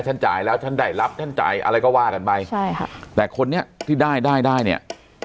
จ่ายแล้วฉันได้รับฉันจ่ายอะไรก็ว่ากันไปใช่ค่ะแต่คนนี้ที่ได้ได้เนี่ย